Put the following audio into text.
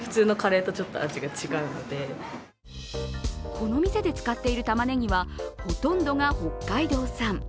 この店で使っているたまねぎはほとんどが北海道産。